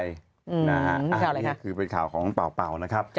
อันนี้คือเป็นข่าวของเป่านะครับ